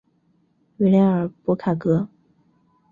维莱尔博卡格。